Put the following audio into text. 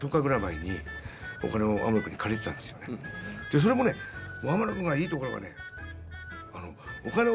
それもね天野君がいいところがね